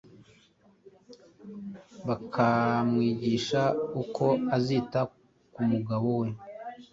bakamwigisha uko azita ku mugabo we.